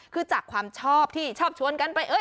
คือจากความชอบที่ชอบชวนกันไป